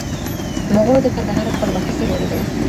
مغولو د کندهار خپلواکي څنګه ولیدله؟